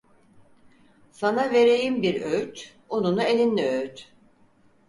Sana vereyim bir öğüt: Ununu elinle öğüt.